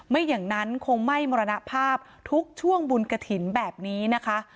ไม่อย่างนั้นคงไม่มรณภาพทุกช่วงบุญกระถิ่นแบบนี้นะคะ